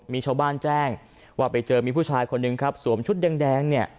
มีชาวบ้านแจ้งว่าไปเจอมีผู้ชายคนหนึ่งครับสวมชุดแดงเนี่ย